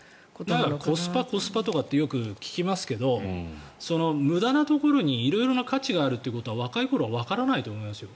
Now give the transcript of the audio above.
コスパ、コスパとかってよく聞きますけれど無駄なところに色々な価値があるということは若い頃はわからないと思いますよ。